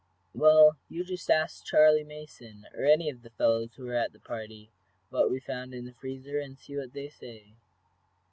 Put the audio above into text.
"Well, you just ask Charley Mason, or any of the fellows who were at the party, what we found in the freezer, and see what they say."